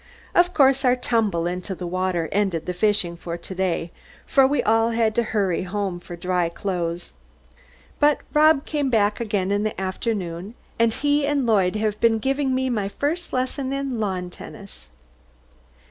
Of course our tumble into the water ended the fishing for to day, for we all had to hurry home for dry clothes. But Rob came back again in the afternoon, and he and Lloyd have been giving me my first lesson in lawn tennis.